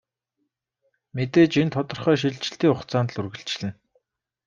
Мэдээж энэ нь тодорхой шилжилтийн хугацаанд л үргэлжилнэ.